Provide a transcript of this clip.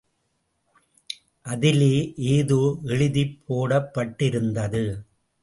அதிலே ஏதோ எழுதிப் போடப்பட்டிருந்தது.